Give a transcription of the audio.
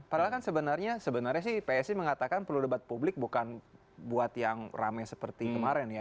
padahal kan sebenarnya sih psi mengatakan perlu debat publik bukan buat yang rame seperti kemarin ya